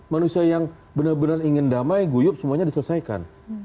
manusia yang benar benar ingin damai guyup semuanya diselesaikan